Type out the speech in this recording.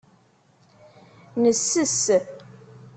Nesses.